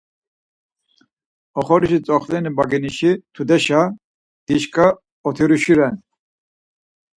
Oxorişi tzoxleni bagenişi tudeşa dişka otiruşi ren.